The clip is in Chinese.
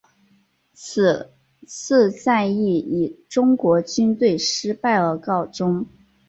此次战役以中国军队失败而告终。